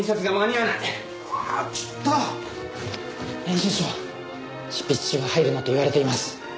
編集長執筆中は入るなと言われています。